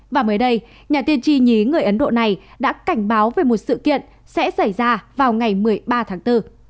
và mới đây nhà tiên tri người ấn độ này đã cảnh báo về một sự kiện sẽ xảy ra vào ngày một mươi ba tháng bốn